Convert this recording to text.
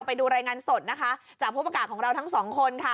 ไปดูรายงานสดนะคะจากผู้ประกาศของเราทั้งสองคนค่ะ